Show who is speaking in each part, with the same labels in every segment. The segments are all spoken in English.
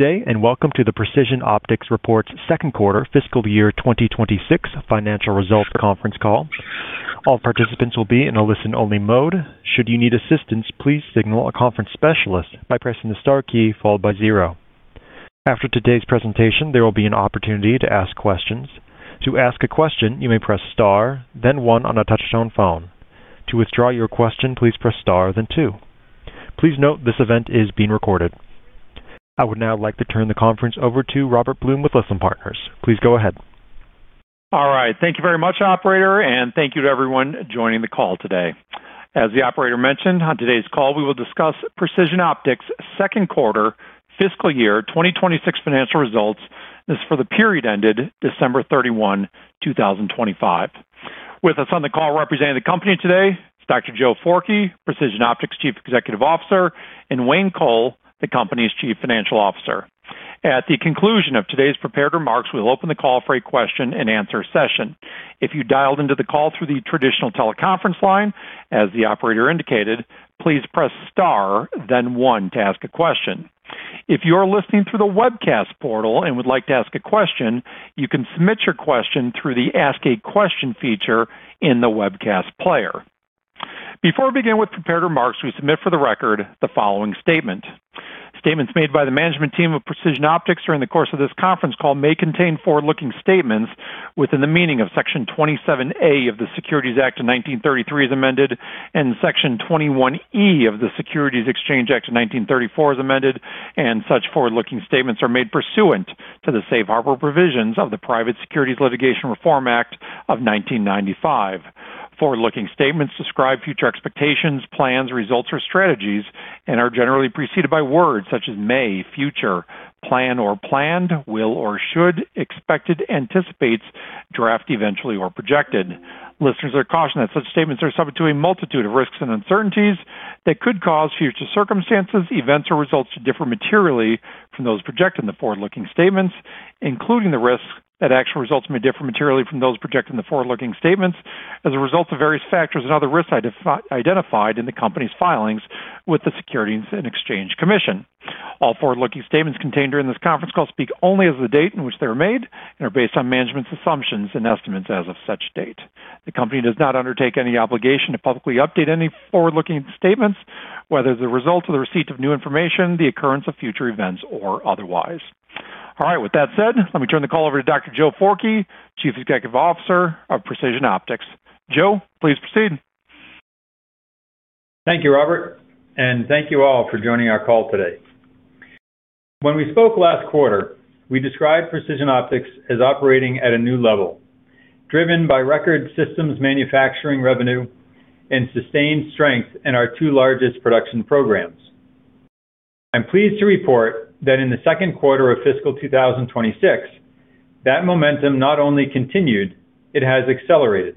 Speaker 1: Good day, and welcome to the Precision Optics Reports second quarter fiscal year 2026 financial results conference call. All participants will be in a listen-only mode. Should you need assistance, please signal a conference specialist by pressing the star key followed by zero. After today's presentation, there will be an opportunity to ask questions. To ask a question, you may Press Star, then one on a touchtone phone. To withdraw your question, please Press Star, then two. Please note, this event is being recorded. I would now like to turn the conference over to Robert Blum with Lytham Partners. Please go ahead.
Speaker 2: All right. Thank you very much, operator, and thank you to everyone joining the call today. As the operator mentioned, on today's call, we will discuss Precision Optics' second quarter fiscal year 2026 financial results. This is for the period ended 31st December 2025 With us on the call representing the company today is Dr. Joe Forkey, Precision Optics' Chief Executive Officer, and Wayne Coll, the company's Chief Financial Officer. At the conclusion of today's prepared remarks, we'll open the call for a question-and-answer session. If you dialed into the call through the traditional teleconference line, as the operator indicated, please press Star, then one to ask a question. If you're listening through the webcast portal and would like to ask a question, you can submit your question through the Ask a Question feature in the webcast player. Before we begin with prepared remarks, we submit for the record the following statement. Statements made by the management team of Precision Optics during the course of this conference call may contain forward-looking statements within the meaning of Section 27A of the Securities Act of 1933, as amended, and Section 21E of the Securities Exchange Act of 1934, as amended, and such forward-looking statements are made pursuant to the safe harbor provisions of the Private Securities Litigation Reform Act of 1995. Forward-looking statements describe future expectations, plans, results, or strategies and are generally preceded by words such as may, future, plan or planned, will or should, expected, anticipates, draft, eventually, or projected. Listeners are cautioned that such statements are subject to a multitude of risks and uncertainties that could cause future circumstances, events, or results to differ materially from those projected in the forward-looking statements, including the risk that actual results may differ materially from those projected in the forward-looking statements as a result of various factors and other risks identified in the company's filings with the Securities and Exchange Commission. All forward-looking statements contained during this conference call speak only as of the date in which they were made and are based on management's assumptions and estimates as of such date. The company does not undertake any obligation to publicly update any forward-looking statements, whether as a result of the receipt of new information, the occurrence of future events, or otherwise. All right, with that said, let me turn the call over to Dr. Joe Forkey, Chief Executive Officer of Precision Optics. Joe, please proceed.
Speaker 3: Thank you, Robert, and thank you all for joining our call today. When we spoke last quarter, we described Precision Optics as operating at a new level, driven by record systems manufacturing revenue and sustained strength in our two largest production programs. I'm pleased to report that in the second quarter of fiscal 2026, that momentum not only continued, it has accelerated.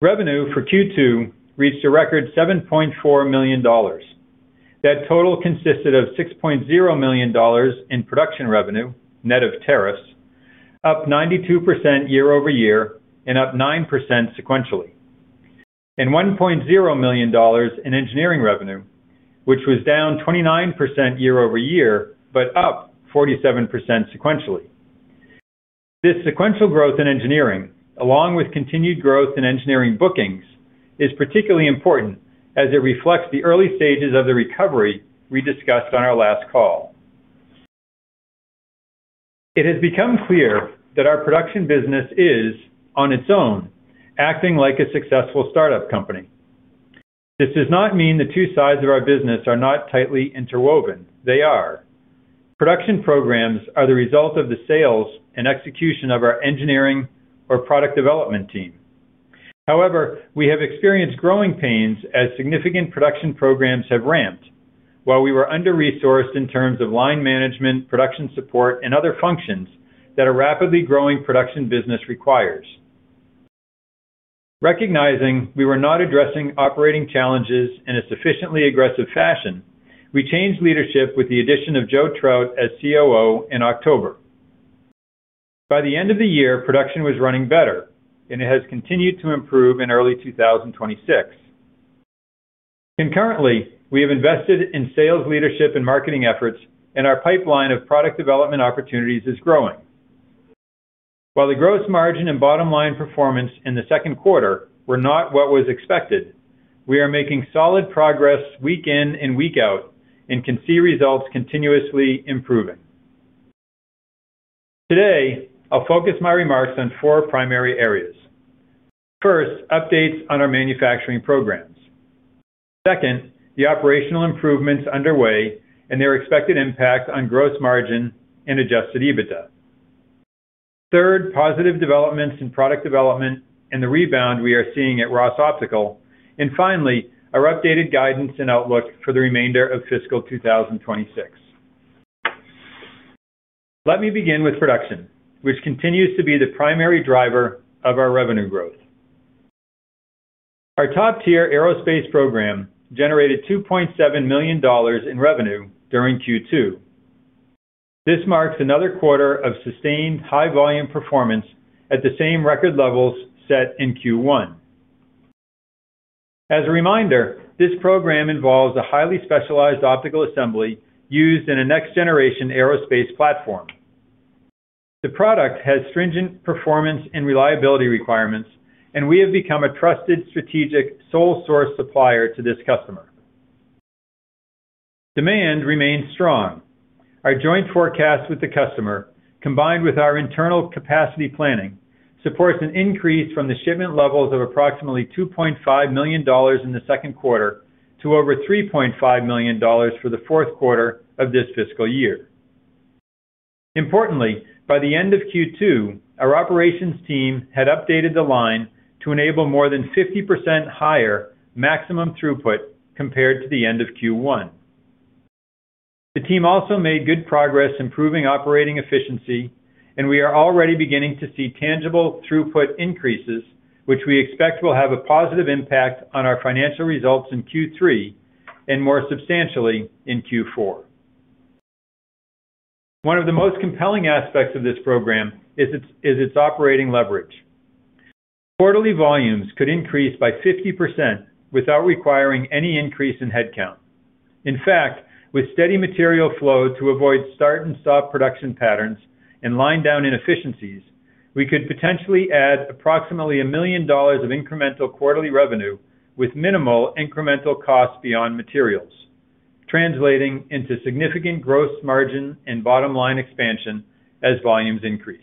Speaker 3: Revenue for Q2 reached a record $7.4 million. That total consisted of $6.0 million in production revenue, net of tariffs, up 92% year over year and up 9% sequentially, and $1.0 million in engineering revenue, which was down 29% year over year, but up 47% sequentially. This sequential growth in engineering, along with continued growth in engineering bookings, is particularly important as it reflects the early stages of the recovery we discussed on our last call. It has become clear that our production business is, on its own, acting like a successful startup company. This does not mean the two sides of our business are not tightly interwoven. They are. Production programs are the result of the sales and execution of our engineering or product development team. However, we have experienced growing pains as significant production programs have ramped, while we were under-resourced in terms of line management, production support, and other functions that a rapidly growing production business requires. Recognizing we were not addressing operating challenges in a sufficiently aggressive fashion, we changed leadership with the addition of Joseph Traut as COO in October. By the end of the year, production was running better, and it has continued to improve in early 2026. Concurrently, we have invested in sales, leadership, and marketing efforts, and our pipeline of product development opportunities is growing. While the gross margin and bottom line performance in the second quarter were not what was expected, we are making solid progress week in and week out, and can see results continuously improving. Today, I'll focus my remarks on four primary areas. First, updates on our manufacturing programs. Second, the operational improvements underway and their expected impact on gross margin and Adjusted EBITDA. Third, positive developments in product development and the rebound we are seeing at Ross Optical. And finally, our updated guidance and outlook for the remainder of fiscal 2026. Let me begin with production, which continues to be the primary driver of our revenue growth. Our top-tier aerospace program generated $2.7 million in revenue during Q2. This marks another quarter of sustained high-volume performance at the same record levels set in Q1. As a reminder, this program involves a highly specialized optical assembly used in a next-generation aerospace platform. The product has stringent performance and reliability requirements, and we have become a trusted, strategic, sole source supplier to this customer. Demand remains strong. Our joint forecast with the customer, combined with our internal capacity planning, supports an increase from the shipment levels of approximately $2.5 million in the second quarter to over $3.5 million for the fourth quarter of this fiscal year. Importantly, by the end of Q2, our operations team had updated the line to enable more than 50% higher maximum throughput compared to the end of Q1. The team also made good progress improving operating efficiency, and we are already beginning to see tangible throughput increases, which we expect will have a positive impact on our financial results in Q3 and more substantially in Q4. One of the most compelling aspects of this program is its operating leverage. Quarterly volumes could increase by 50% without requiring any increase in headcount. In fact, with steady material flow to avoid start-and-stop production patterns and line-down inefficiencies, we could potentially add approximately $1 million of incremental quarterly revenue with minimal incremental cost beyond materials, translating into significant gross margin and bottom-line expansion as volumes increase.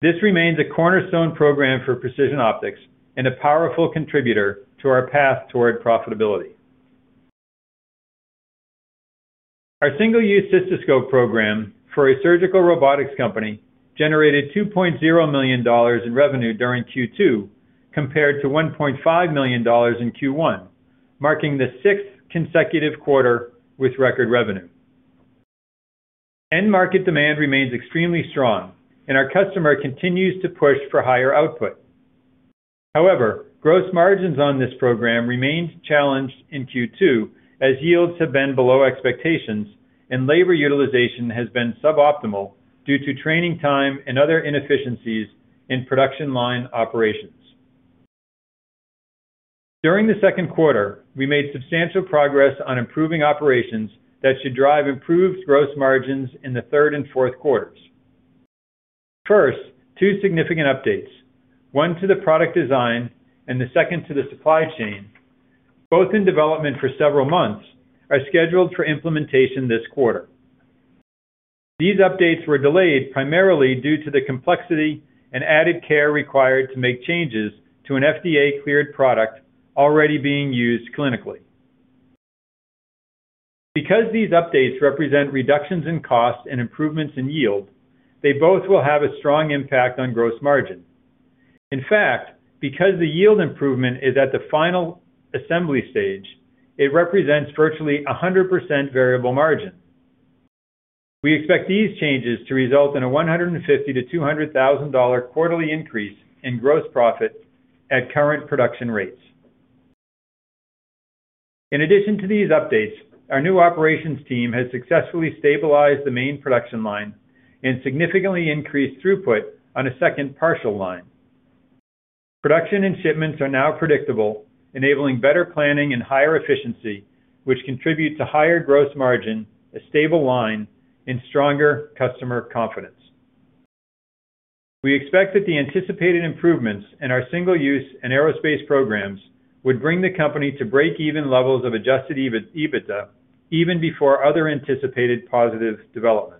Speaker 3: This remains a cornerstone program for Precision Optics and a powerful contributor to our path toward profitability. Our single-use cystoscope program for a surgical robotics company generated $2.0 million in revenue during Q2, compared to $1.5 million in Q1, marking the sixth consecutive quarter with record revenue. End market demand remains extremely strong, and our customer continues to push for higher output. However, gross margins on this program remained challenged in Q2, as yields have been below expectations and labor utilization has been suboptimal due to training time and other inefficiencies in production line operations. During the second quarter, we made substantial progress on improving operations that should drive improved gross margins in the third and fourth quarters. First, two significant updates, one to the product design and the second to the supply chain, both in development for several months, are scheduled for implementation this quarter. These updates were delayed primarily due to the complexity and added care required to make changes to an FDA-cleared product already being used clinically. Because these updates represent reductions in cost and improvements in yield, they both will have a strong impact on gross margin. In fact, because the yield improvement is at the final assembly stage, it represents virtually a 100% variable margin. We expect these changes to result in a $150,000-$200,000 quarterly increase in gross profit at current production rates. In addition to these updates, our new operations team has successfully stabilized the main production line and significantly increased throughput on a second partial line. Production and shipments are now predictable, enabling better planning and higher efficiency, which contributes to higher gross margin, a stable line, and stronger customer confidence. We expect that the anticipated improvements in our single-use and aerospace programs would bring the company to break-even levels of adjusted EBITDA, even before other anticipated positive developments.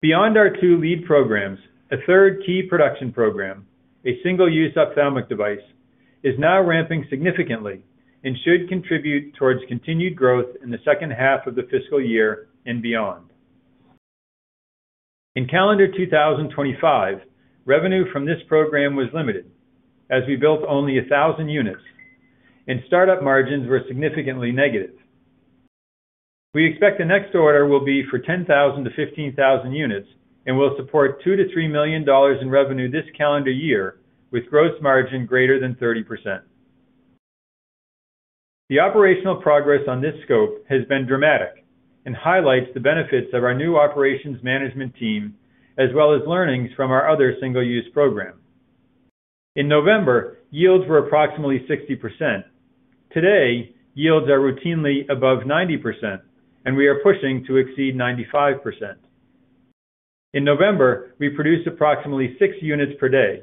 Speaker 3: Beyond our two lead programs, a third key production program, a single-use ophthalmic device, is now ramping significantly and should contribute towards continued growth in the second half of the fiscal year and beyond. In calendar 2025, revenue from this program was limited as we built only 1,000 units, and startup margins were significantly negative. We expect the next order will be for 10,000-15,000 units and will support $2-$3 million in revenue this calendar year, with gross margin greater than 30%. The operational progress on this scope has been dramatic and highlights the benefits of our new operations management team, as well as learnings from our other single-use program. In November, yields were approximately 60%. Today, yields are routinely above 90%, and we are pushing to exceed 95%. In November, we produced approximately 6 units per day.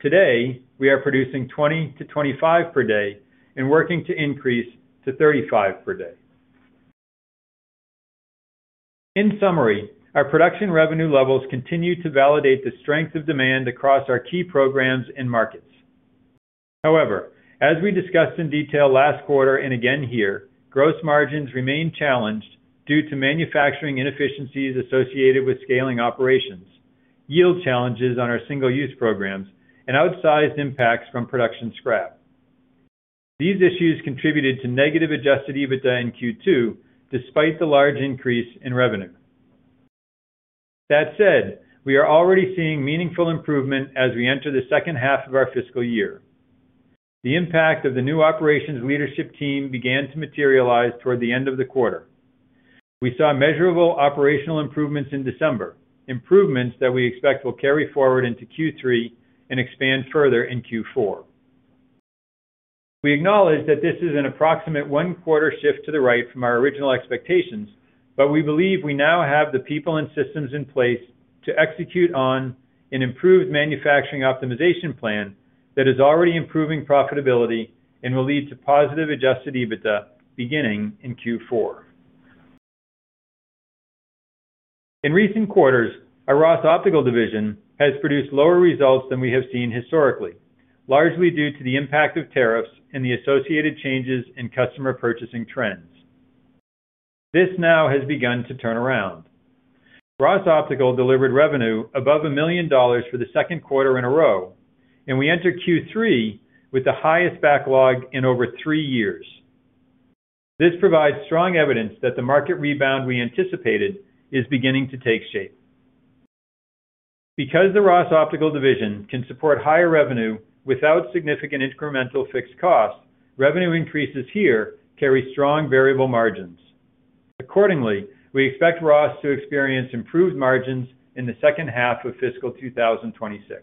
Speaker 3: Today, we are producing 20-25 per day and working to increase to 35 per day. In summary, our production revenue levels continue to validate the strength of demand across our key programs and markets. However, as we discussed in detail last quarter and again here, gross margins remain challenged due to manufacturing inefficiencies associated with scaling operations, yield challenges on our single-use programs, and outsized impacts from production scrap. These issues contributed to negative Adjusted EBITDA in Q2, despite the large increase in revenue. That said, we are already seeing meaningful improvement as we enter the second half of our fiscal year. The impact of the new operations leadership team began to materialize toward the end of the quarter. We saw measurable operational improvements in December, improvements that we expect will carry forward into Q3 and expand further in Q4. We acknowledge that this is an approximate one-quarter shift to the right from our original expectations, but we believe we now have the people and systems in place to execute on an improved manufacturing optimization plan that is already improving profitability and will lead to positive Adjusted EBITDA beginning in Q4. In recent quarters, our Ross Optical division has produced lower results than we have seen historically, largely due to the impact of tariffs and the associated changes in customer purchasing trends. This now has begun to turn around. Ross Optical delivered revenue above $1 million for the second quarter in a row, and we entered Q3 with the highest backlog in over three years. This provides strong evidence that the market rebound we anticipated is beginning to take shape. Because the Ross Optical division can support higher revenue without significant incremental fixed costs, revenue increases here carry strong variable margins. Accordingly, we expect Ross to experience improved margins in the second half of fiscal 2026.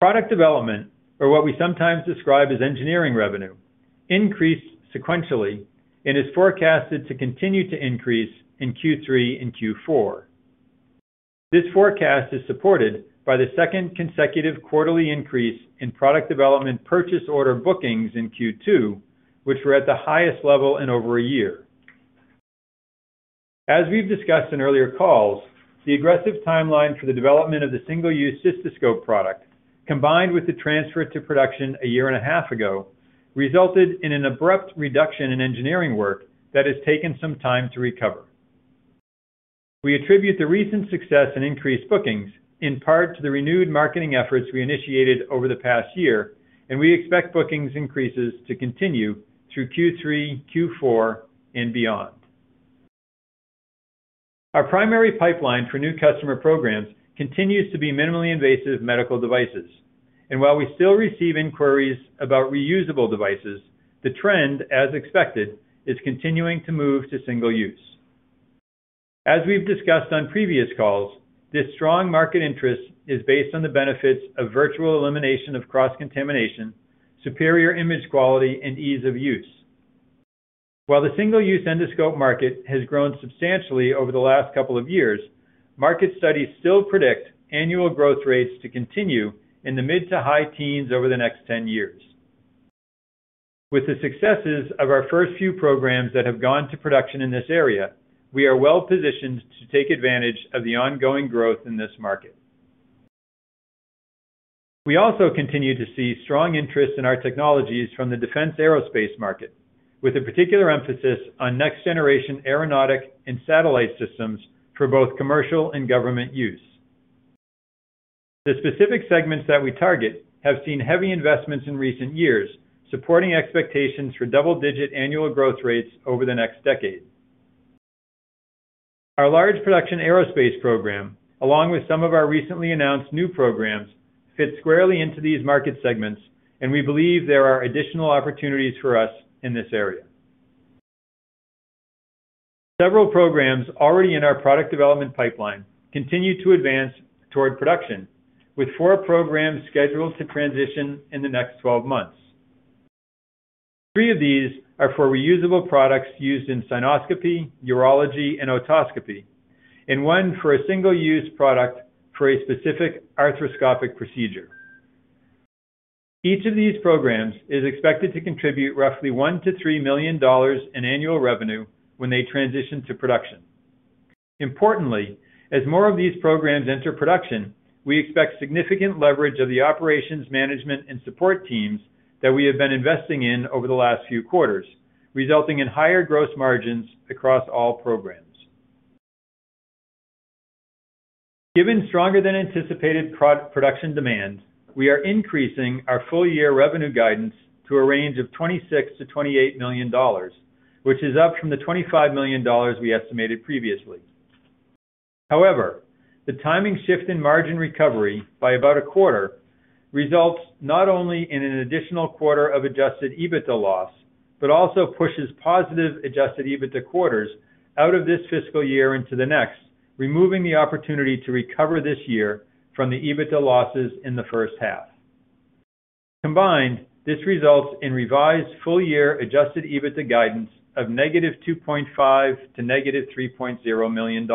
Speaker 3: Product development, or what we sometimes describe as engineering revenue, increased sequentially and is forecasted to continue to increase in Q3 and Q4. This forecast is supported by the second consecutive quarterly increase in product development purchase order bookings in Q2, which were at the highest level in over a year. As we've discussed in earlier calls, the aggressive timeline for the development of the single-use cystoscope product, combined with the transfer to production a year and a half ago, resulted in an abrupt reduction in engineering work that has taken some time to recover. We attribute the recent success and increased bookings in part to the renewed marketing efforts we initiated over the past year, and we expect bookings increases to continue through Q3, Q4, and beyond. Our primary pipeline for new customer programs continues to be minimally invasive medical devices, and while we still receive inquiries about reusable devices, the trend, as expected, is continuing to move to single-use. As we've discussed on previous calls, this strong market interest is based on the benefits of virtual elimination of cross-contamination, superior image quality, and ease of use. While the single-use endoscope market has grown substantially over the last couple of years, market studies still predict annual growth rates to continue in the mid to high teens over the next 10 years. With the successes of our first few programs that have gone to production in this area, we are well positioned to take advantage of the ongoing growth in this market. We also continue to see strong interest in our technologies from the defense aerospace market, with a particular emphasis on next-generation aeronautic and satellite systems for both commercial and government use. The specific segments that we target have seen heavy investments in recent years, supporting expectations for double-digit annual growth rates over the next decade. Our large production aerospace program, along with some of our recently announced new programs, fit squarely into these market segments, and we believe there are additional opportunities for us in this area. Several programs already in our product development pipeline continue to advance toward production, with four programs scheduled to transition in the next 12 months. three of these are for reusable products used in cystoscopy, urology, and otoscopy, and one for a single-use product for a specific arthroscopic procedure. Each of these programs is expected to contribute roughly $1 million-$3 million in annual revenue when they transition to production. Importantly, as more of these programs enter production, we expect significant leverage of the operations, management, and support teams that we have been investing in over the last few quarters, resulting in higher gross margins across all programs. Given stronger than anticipated production demand, we are increasing our full-year revenue guidance to a range of $26 million-$28 million, which is up from the $25 million we estimated previously. However, the timing shift in margin recovery by about a quarter results not only in an additional quarter of Adjusted EBITDA loss, but also pushes positive Adjusted EBITDA quarters out of this fiscal year into the next, removing the opportunity to recover this year from the EBITDA losses in the first half. Combined, this results in revised full-year Adjusted EBITDA guidance of -$2.5 million to -$3.0 million.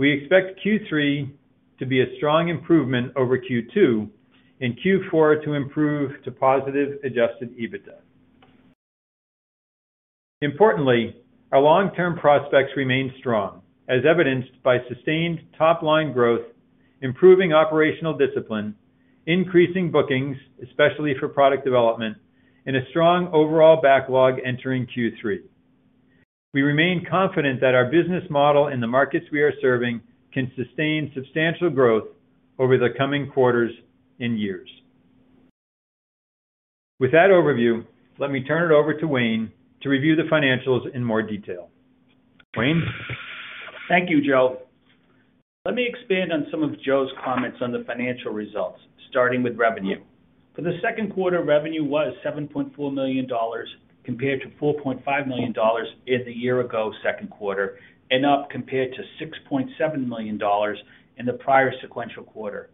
Speaker 3: We expect Q3 to be a strong improvement over Q2, and Q4 to improve to positive Adjusted EBITDA. Importantly, our long-term prospects remain strong, as evidenced by sustained top-line growth, improving operational discipline, increasing bookings, especially for product development, and a strong overall backlog entering Q3. We remain confident that our business model and the markets we are serving can sustain substantial growth over the coming quarters and years... With that overview, let me turn it over to Wayne to review the financials in more detail. Wayne?
Speaker 4: Thank you, Joe. Let me expand on some of Joe's comments on the financial results, starting with revenue. For the second quarter, revenue was $7.4 million, compared to $4.5 million in the year-ago second quarter, and up compared to $6.7 million in the prior sequential quarter.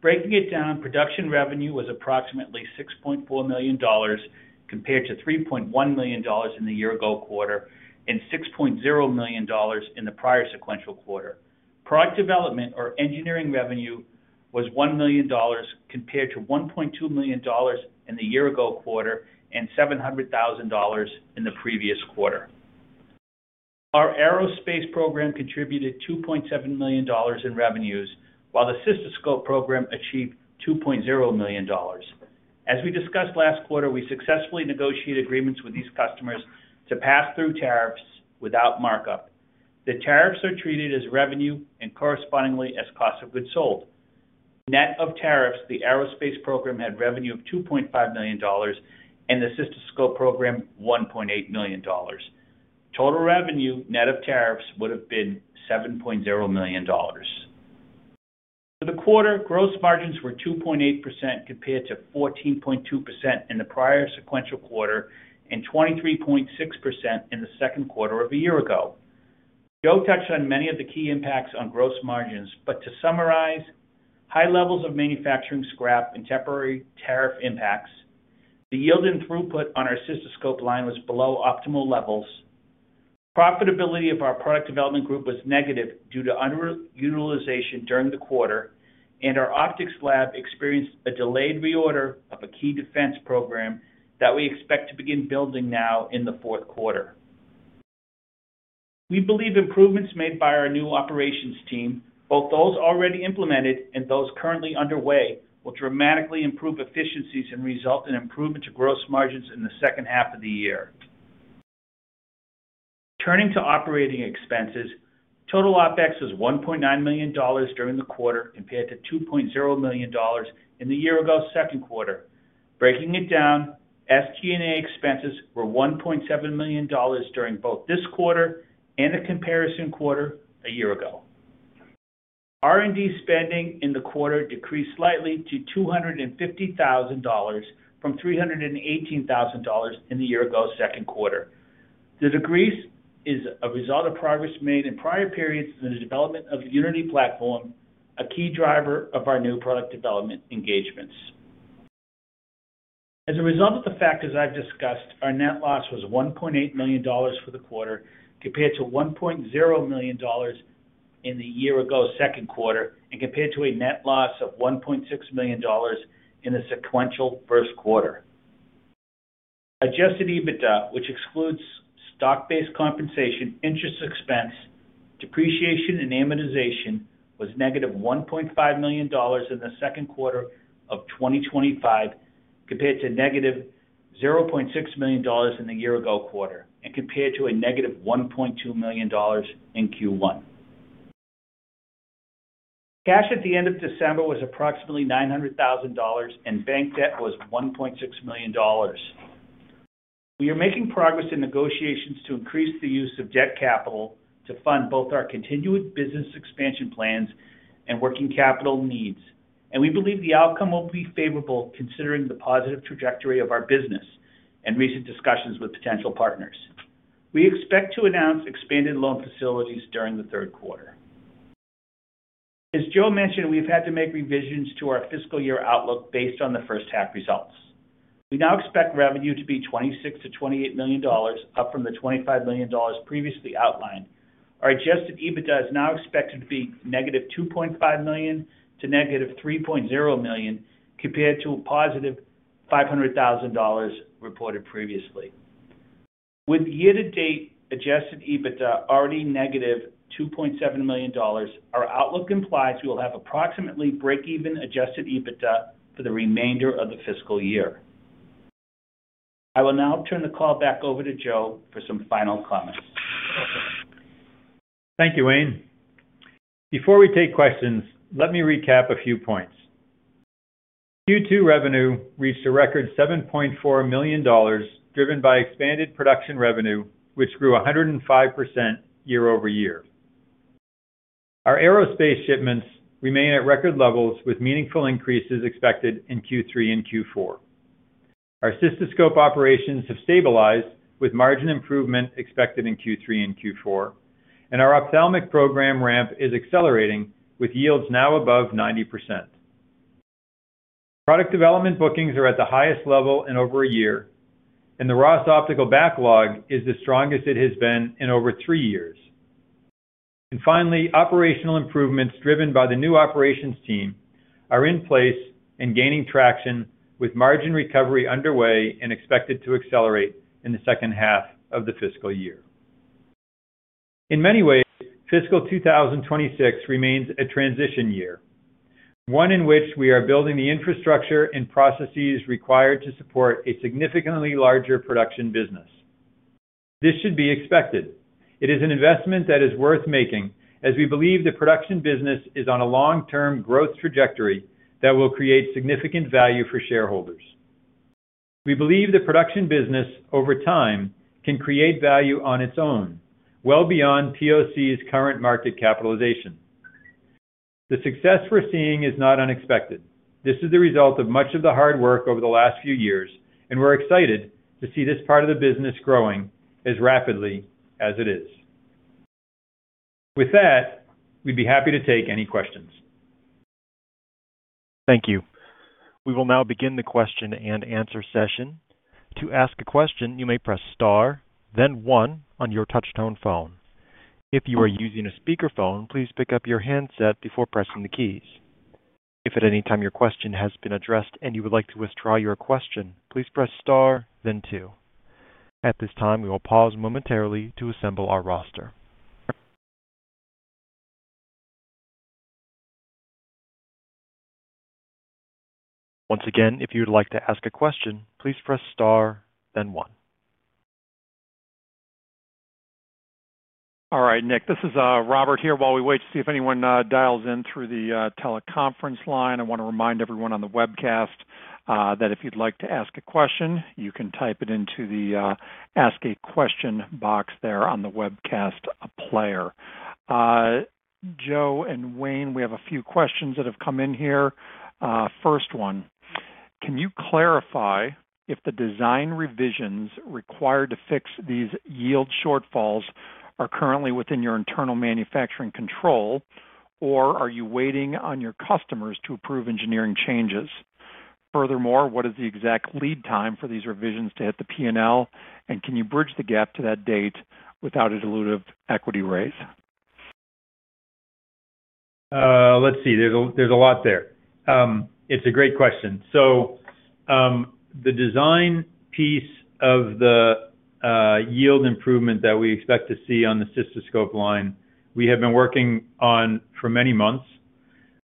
Speaker 4: Breaking it down, production revenue was approximately $6.4 million, compared to $3.1 million in the year-ago quarter and $6.0 million in the prior sequential quarter. Product development or engineering revenue was $1 million, compared to $1.2 million in the year-ago quarter and $700,000 in the previous quarter. Our aerospace program contributed $2.7 million in revenues, while the Cystoscope program achieved $2.0 million. As we discussed last quarter, we successfully negotiated agreements with these customers to pass through tariffs without markup. The tariffs are treated as revenue and correspondingly as cost of goods sold. Net of tariffs, the aerospace program had revenue of $2.5 million and the cystoscope program, $1.8 million. Total revenue, net of tariffs, would have been $7.0 million. For the quarter, gross margins were 2.8%, compared to 14.2% in the prior sequential quarter and 23.6% in the second quarter of a year ago. Joe touched on many of the key impacts on gross margins, but to summarize, high levels of manufacturing scrap and temporary tariff impacts, the yield and throughput on our cystoscope line was below optimal levels. Profitability of our product development group was negative due to underutilization during the quarter, and our optics lab experienced a delayed reorder of a key defense program that we expect to begin building now in the fourth quarter. We believe improvements made by our new operations team, both those already implemented and those currently underway, will dramatically improve efficiencies and result in improvement to gross margins in the second half of the year. Turning to operating expenses, total OpEx was $1.9 million during the quarter, compared to $2.0 million in the year-ago second quarter. Breaking it down, SG&A expenses were $1.7 million during both this quarter and the comparison quarter a year ago. R&D spending in the quarter decreased slightly to $250,000 from $318,000 in the year-ago second quarter. The decrease is a result of progress made in prior periods in the development of the Unity platform, a key driver of our new product development engagements. As a result of the factors I've discussed, our net loss was $1.8 million for the quarter, compared to $1.0 million in the year-ago second quarter, and compared to a net loss of $1.6 million in the sequential first quarter. Adjusted EBITDA, which excludes stock-based compensation, interest expense, depreciation, and amortization, was -$1.5 million in the second quarter of 2025, compared to -$0.6 million in the year-ago quarter and compared to a $-1.2 million in Q1. Cash at the end of December was approximately $900,000, and bank debt was $1.6 million. We are making progress in negotiations to increase the use of debt capital to fund both our continued business expansion plans and working capital needs, and we believe the outcome will be favorable, considering the positive trajectory of our business and recent discussions with potential partners. We expect to announce expanded loan facilities during the third quarter. As Joe mentioned, we've had to make revisions to our fiscal year outlook based on the first half results. We now expect revenue to be $26 million-$28 million, up from the $25 million previously outlined. Our Adjusted EBITDA is now expected to be $-2.5 million to $-3.0 million, compared to a positive $500,000 reported previously. With year-to-date Adjusted EBITDA already negative $2.7 million, our outlook implies we will have approximately break-even Adjusted EBITDA for the remainder of the fiscal year. I will now turn the call back over to Joe for some final comments.
Speaker 3: Thank you, Wayne. Before we take questions, let me recap a few points. Q2 revenue reached a record $7.4 million, driven by expanded production revenue, which grew 105% year-over-year. Our aerospace shipments remain at record levels, with meaningful increases expected in Q3 and Q4. Our cystoscope operations have stabilized, with margin improvement expected in Q3 and Q4, and our ophthalmic program ramp is accelerating, with yields now above 90%. Product development bookings are at the highest level in over a year, and the Ross Optical backlog is the strongest it has been in over three years. Finally, operational improvements driven by the new operations team are in place and gaining traction, with margin recovery underway and expected to accelerate in the H2 of the fiscal year. In many ways, fiscal 2026 remains a transition year, one in which we are building the infrastructure and processes required to support a significantly larger production business.... This should be expected. It is an investment that is worth making, as we believe the production business is on a long-term growth trajectory that will create significant value for shareholders. We believe the production business, over time, can create value on its own, well beyond POC's current market capitalization. The success we're seeing is not unexpected. This is the result of much of the hard work over the last few years, and we're excited to see this part of the business growing as rapidly as it is. With that we'd be happy to take any questions.
Speaker 1: Thank you. We will now begin the question-and-answer session. To ask a question, you may press star, then one on your touchtone phone. If you are using a speakerphone, please pick up your handset before pressing the keys. If at any time your question has been addressed and you would like to withdraw your question, please Press Star, then two. At this time, we will pause momentarily to assemble our roster. Once again, if you'd like to ask a question, please Press Star, then one.
Speaker 2: All right, Nick, this is Robert here. While we wait to see if anyone dials in through the teleconference line, I want to remind everyone on the webcast that if you'd like to ask a question, you can type it into the Ask a Question box there on the webcast player. Joe and Wayne, we have a few questions that have come in here. First one, can you clarify if the design revisions required to fix these yield shortfalls are currently within your internal manufacturing control, or are you waiting on your customers to approve engineering changes? Furthermore, what is the exact lead time for these revisions to hit the P&L and can you bridge the gap to that date without a dilutive equity raise?
Speaker 3: Let's see. There's a lot there. It's a great question. So, the design piece of the yield improvement that we expect to see on the cystoscope line, we have been working on for many months.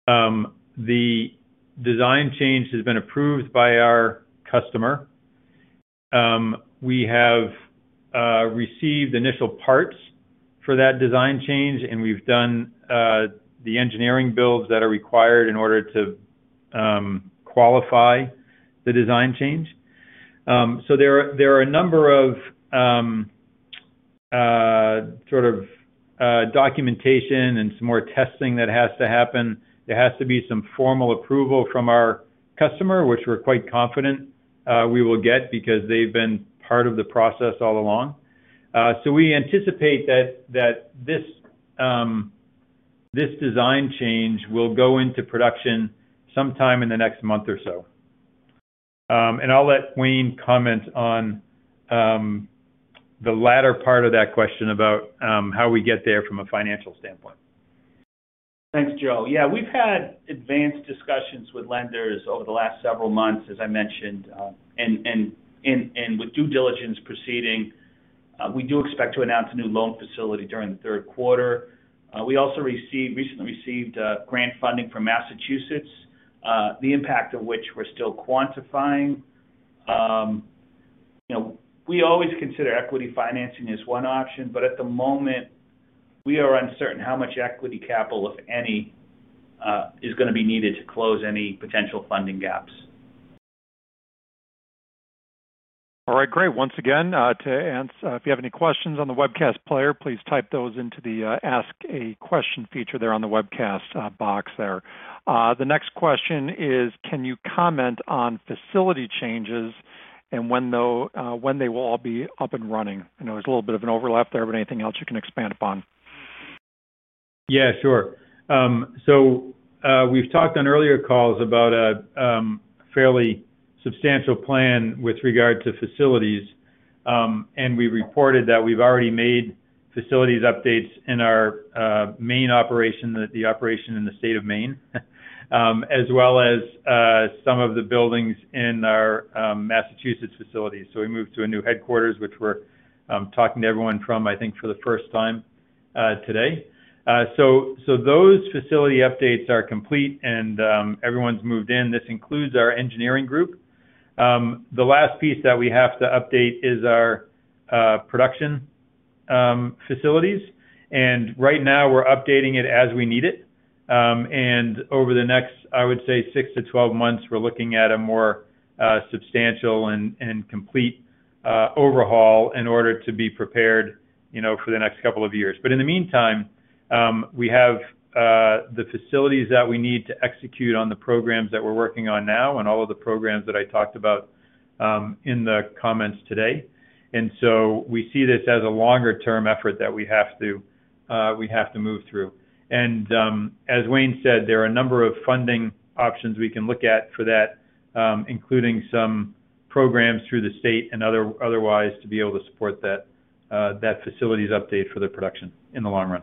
Speaker 3: The design change has been approved by our customer. We have received initial parts for that design change, and we've done the engineering builds that are required in order to qualify the design change. So there are a number of sort of documentation and some more testing that has to happen. There has to be some formal approval from our customer, which we're quite confident we will get because they've been part of the process all along. So we anticipate that this design change will go into production sometime in the next month or so. And I'll let Wayne comment on the latter part of that question about how we get there from a financial standpoint.
Speaker 4: Thanks, Joe. Yeah, we've had advanced discussions with lenders over the last several months, as I mentioned, and with due diligence proceeding, we do expect to announce a new loan facility during the third quarter. We also recently received grant funding from Massachusetts, the impact of which we're still quantifying. You know, we always consider equity financing as one option, but at the moment, we are uncertain how much equity capital, if any is gonna be needed to close any potential funding gaps.
Speaker 2: All right, great. Once again, to answer, if you have any questions on the webcast player, please type those into the Ask a Question feature there on the webcast box there. The next question is, can you comment on facility changes and when, though, when they will all be up and running? I know there's a little bit of an overlap there, but anything else you can expand upon?
Speaker 3: Yeah, sure. So, we've talked on earlier calls about a fairly substantial plan with regard to facilities, and we reported that we've already made facilities updates in our main operation, the operation in the state of Maine, as well as some of the buildings in our Massachusetts facilities. So we moved to a new headquarters, which we're talking to everyone from, I think, for the first time today. So those facility updates are complete and everyone's moved in. This includes our engineering group. The last piece that we have to update is our production facilities, and right now we're updating it as we need it. And over the next, I would say 6-12 months, we're looking at a more substantial and complete overhaul in order to be prepared, you know, for the next couple of years. But in the meantime, we have the facilities that we need to execute on the programs that we're working on now and all of the programs that I talked about in the comments today. And so we see this as a longer-term effort that we have to move through. And as Wayne said, there are a number of funding options we can look at for that, including some programs through the state and otherwise, to be able to support that facilities update for the production in the long run.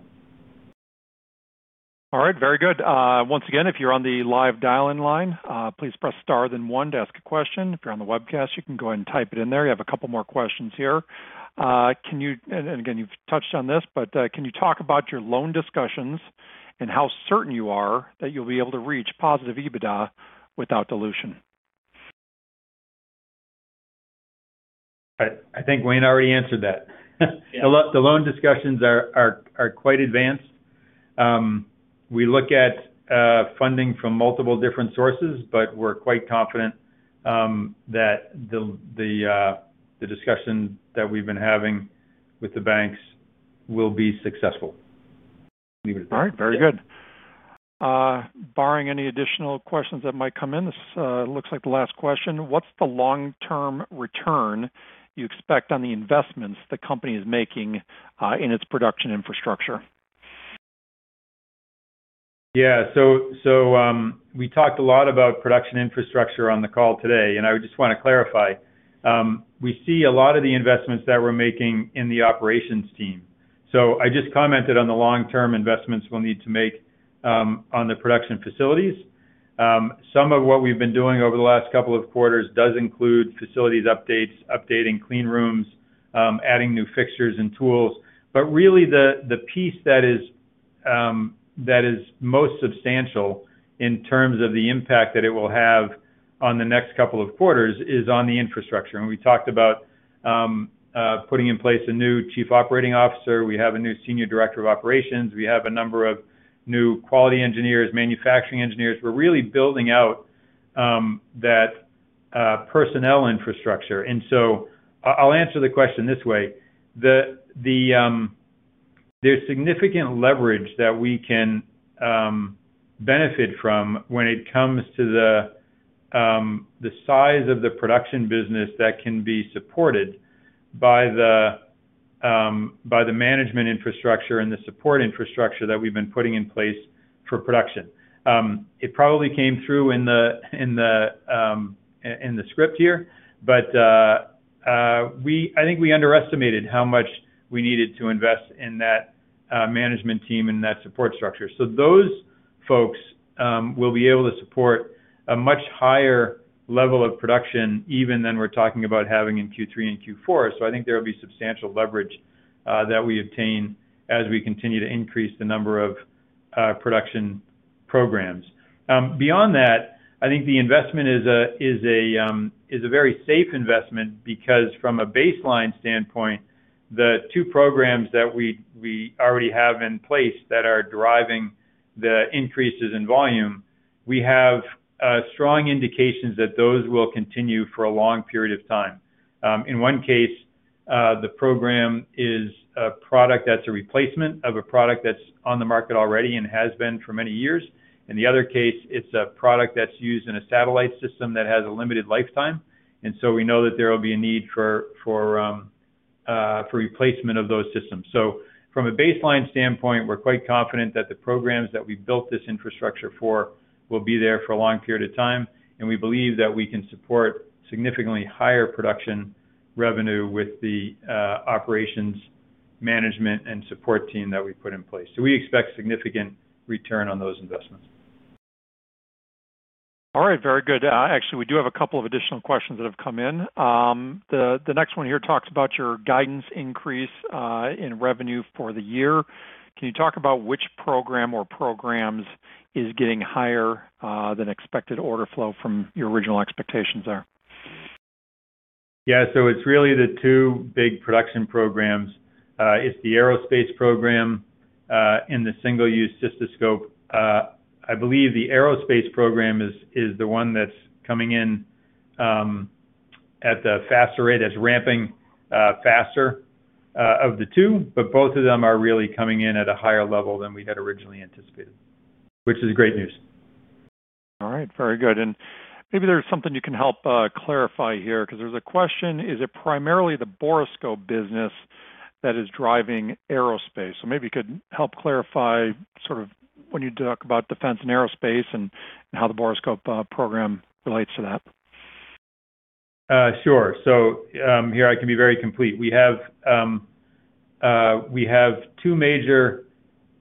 Speaker 2: All right. Very good. Once again, if you're on the live dial-in line, please Press Star, then one to ask a question. If you're on the webcast, you can go ahead and type it in there. You have a couple more questions here. And again, you've touched on this, but, can you talk about your loan discussions and how certain you are that you'll be able to reach positive EBITDA without dilution?...
Speaker 3: I think Wayne already answered that. The loan discussions are quite advanced. We look at funding from multiple different sources, but we're quite confident that the discussion that we've been having with the banks will be successful.
Speaker 2: All right. Very good. Barring any additional questions that might come in, this looks like the last question: What's the long-term return you expect on the investments the company is making in its production infrastructure?
Speaker 3: Yeah. So, we talked a lot about production infrastructure on the call today, and I would just want to clarify. We see a lot of the investments that we're making in the operations team. So I just commented on the long-term investments we'll need to make on the production facilities. Some of what we've been doing over the last couple of quarters does include facilities updates, updating clean rooms, adding new fixtures and tools. But really, the piece that is most substantial in terms of the impact that it will have on the next couple of quarters is on the infrastructure. And we talked about putting in place a new Chief Operating Officer. We have a new Senior Director of Operations. We have a number of new quality engineers, manufacturing engineers. We're really building out that personnel infrastructure. So I'll answer the question this way: There's significant leverage that we can benefit from when it comes to the size of the production business that can be supported by the management infrastructure and the support infrastructure that we've been putting in place for production. It probably came through in the script here, but I think we underestimated how much we needed to invest in that management team and that support structure. So those folks will be able to support a much higher level of production even than we're talking about having in Q3 and Q4. So I think there will be substantial leverage that we obtain as we continue to increase the number of production programs. Beyond that, I think the investment is a very safe investment because from a baseline standpoint, the two programs that we already have in place that are driving the increases in volume, we have strong indications that those will continue for a long period of time. In one case, the program is a product that's a replacement of a product that's on the market already and has been for many years. In the other case, it's a product that's used in a satellite system that has a limited lifetime, and so we know that there will be a need for replacement of those systems. So from a baseline standpoint, we're quite confident that the programs that we've built this infrastructure for will be there for a long period of time, and we believe that we can support significantly higher production revenue with the operations, management and support team that we've put in place. So we expect significant return on those investments.
Speaker 2: All right. Very good. Actually, we do have a couple of additional questions that have come in. The next one here talks about your guidance increase in revenue for the year. Can you talk about which program or programs is getting higher than expected order flow from your original expectations there?
Speaker 3: Yeah. So it's really the two big production programs. It's the aerospace program and the single-use cystoscope. I believe the aerospace program is the one that's coming in at the faster rate, that's ramping faster of the two, but both of them are really coming in at a higher level than we had originally anticipated, which is great news.
Speaker 2: All right. Very good. Maybe there's something you can help clarify here, because there's a question: Is it primarily the borescope business that is driving aerospace? So maybe you could help clarify, sort of, when you talk about defense and aerospace and how the borescope program relates to that.
Speaker 3: Sure. So, here I can be very complete. We have two major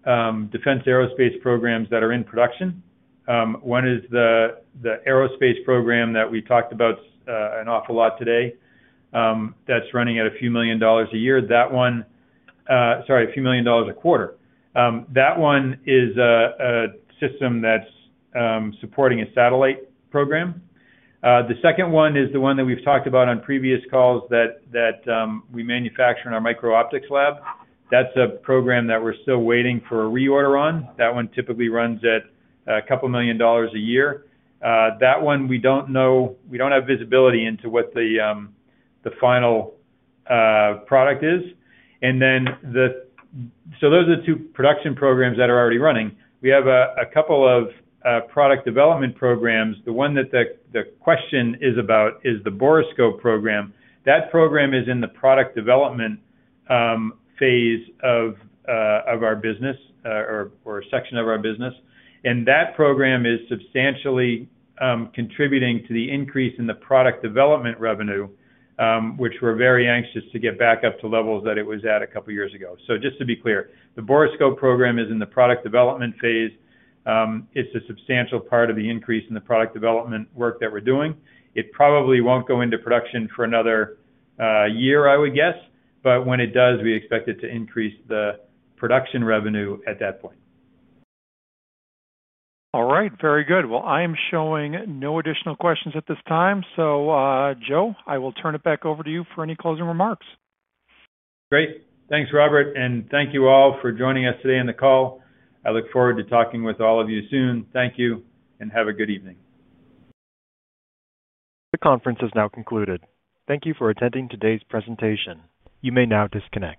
Speaker 3: defense aerospace programs that are in production. One is the aerospace program that we talked about an awful lot today, that's running at a few million a year. That one. sorry, a few million a quarter. That one is a system that's supporting a satellite program. The second one is the one that we've talked about on previous calls that we manufacture in our micro optics lab. That's a program that we're still waiting for a reorder on. That one typically runs at $a couple million a year. That one we don't know we don't have visibility into what the final product is. So those are the two production programs that are already running. We have a couple of product development programs. The one that the question is about is the borescope program. That program is in the product development phase of our business, or a section of our business. And that program is substantially contributing to the increase in the product development revenue, which we're very anxious to get back up to levels that it was at a couple of years ago. So just to be clear, the borescope program is in the product development phase. It's a substantial part of the increase in the product development work that we're doing. It probably won't go into production for another year, I would guess, but when it does, we expect it to increase the production revenue at that point.
Speaker 2: All right. Very good. Well, I am showing no additional questions at this time, so, Joe, I will turn it back over to you for any closing remarks.
Speaker 3: Great. Thanks, Robert, and thank you all for joining us today on the call. I look forward to talking with all of you soon. Thank you, and have a good evening.
Speaker 1: The conference is now concluded. Thank you for attending today's presentation. You may now disconnect.